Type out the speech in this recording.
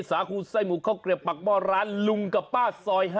สาคูไส้หมูข้าวเกลียบปากหม้อร้านลุงกับป้าซอย๕